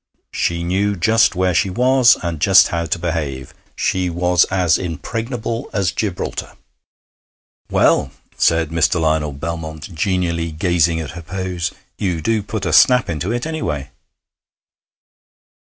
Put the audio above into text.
She knew just where she was, and just how to behave. She was as impregnable as Gibraltar. 'Well,' said Mr. Lionel Belmont, genially gazing at her pose, 'you do put snap into it, any way.'